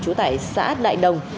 chú tải xã đại đồng